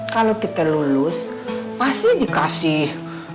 kalau kita lulus pasti dikasih